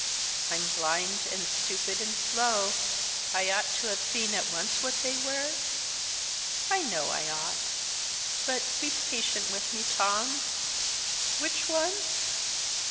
I'm blind, and stupid, and slow. I ought to have seen at once what they were? I know I ought. But be patient with me, Tom. Which one?